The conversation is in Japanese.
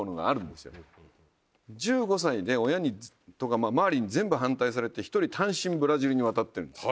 １５歳で親とか周りに全部反対されて１人単身ブラジルに渡ってるんです。